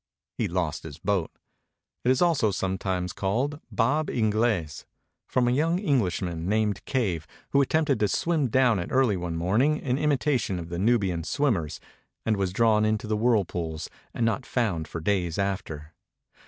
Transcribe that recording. He lost his boat. It is also sometimes called "Bab Inglese" from a young Englishman, named Cave, who attempted to swim down it early one morning, in imitation of the Nubian swimmers, and was drawn into the whirlpools, and not found for days after.